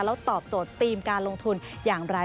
แล้วตอบโจทย์ทีมการลงทุนอย่างไร